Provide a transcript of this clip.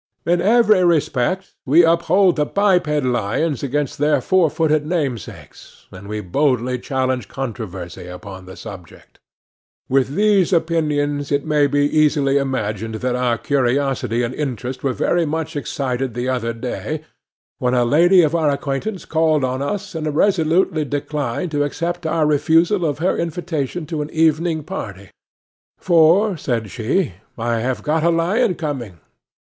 In every respect we uphold the biped lions against their four footed namesakes, and we boldly challenge controversy upon the subject. With these opinions it may be easily imagined that our curiosity and interest were very much excited the other day, when a lady of our acquaintance called on us and resolutely declined to accept our refusal of her invitation to an evening party; 'for,' said she, 'I have got a lion coming.